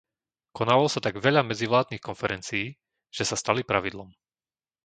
Konalo sa tak veľa medzivládnych konferencií, že sa stali pravidlom.